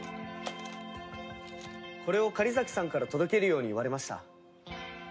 これを狩崎さんから届けるように言われました。